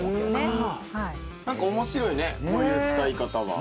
何か面白いねこういう使い方は。